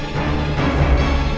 yang menunggu kami